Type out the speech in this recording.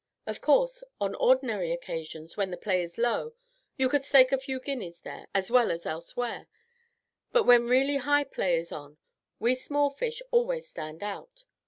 Of course, on ordinary occasions, when the play is low, you could stake a few guineas there as well as elsewhere, but when really high play is on we small fish always stand out.